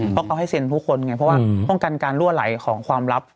เพราะเขาให้เซ็นผู้คนไงเพราะว่าป้องกันการรั่วไหลของความลับ